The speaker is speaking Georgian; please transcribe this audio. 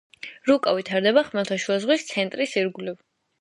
რუკა ვითარდება ხმელთაშუა ზღვის ცენტრის ირგვლივ.